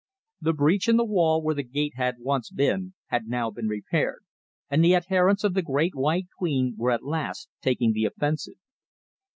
The breach in the wall where the gate had once been had now been repaired, and the adherents of the Great White Queen were at last taking the offensive.